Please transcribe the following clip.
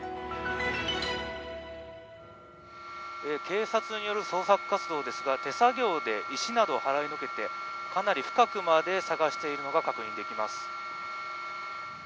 警察による捜索活動ですが手作業で石などを払いのけてかなり深くまで捜しているのが確認できます。